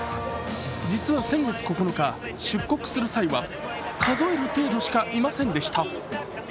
実は先月９日、出国する際は数える程度しかいませんでした。